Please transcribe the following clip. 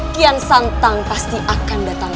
kian santang pasti akan datang